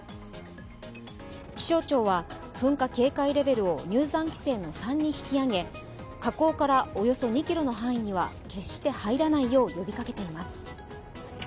気象庁は噴火警戒レベルを入山規制の３に引き上げ火口からおよそ２ｋｍの範囲には決して入らないよう呼びかけています。